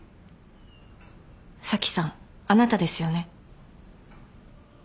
紗季さんあなたですよね。